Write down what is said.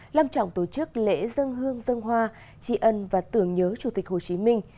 lâm trọng tổ chức lễ dân hương dân hoa trị ân và tưởng nhớ chủ tịch hồ chí minh